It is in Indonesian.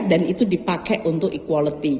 dan itu dipakai untuk equality